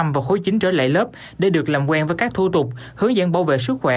và khối chính trở lại lớp để được làm quen với các thủ tục hướng dẫn bảo vệ sức khỏe